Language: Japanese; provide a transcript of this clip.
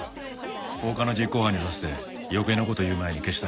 放火の実行犯にさせて余計な事言う前に消したんや。